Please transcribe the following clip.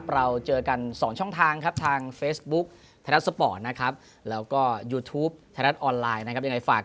เราต้องต้องเอานักอีฬา